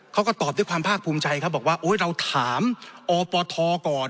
เขาก็ตอบด้วยความภาคภูมิใจครับบอกว่าโอ๊ยเราถามอปทก่อน